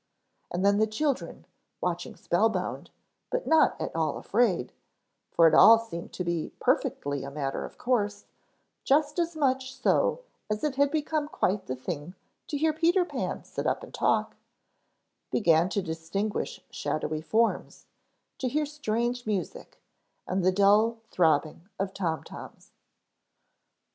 And then the children, watching spellbound, but not at all afraid, for it all seemed to be perfectly a matter of course, just as much so as it had become quite the thing to hear Peter Pan sit up and talk, began to distinguish shadowy forms, to hear strange music, and the dull throbbing of tom toms.